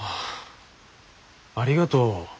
ありがとう。